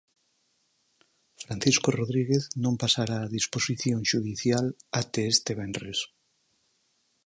Francisco Rodríguez non pasará a disposición xudicial até este venres.